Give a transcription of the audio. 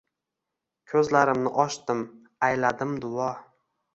Ko‘zlarimni ochdim. Ayladim duo.